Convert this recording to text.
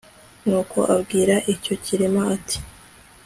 nuko abwira icyo kirema ati